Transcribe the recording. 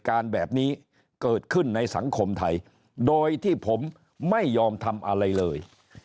การแบบนี้เกิดขึ้นในสังคมไทยโดยที่ผมไม่ยอมทำอะไรเลย